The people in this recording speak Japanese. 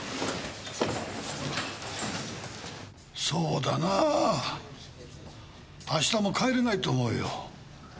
そうだなぁ明日も帰れないと思うよ。